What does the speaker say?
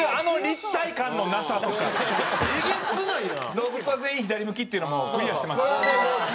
動物は全員左向きっていうのもクリアしてますしね。